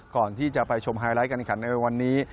ก่อนที่จะไปชมไฮไลท์การขันในวันนี้